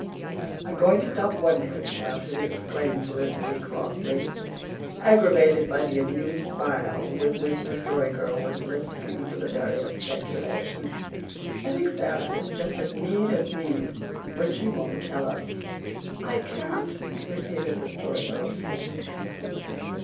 "I'm going to stop wondering about it," exclaimed Felicity crossly, aggravated by the amused smile with which the Story Girl was listening to the various speculations. "I think Sara is just as mean as mean when she won't tell us." "I can't," repeated the Story Girl patiently.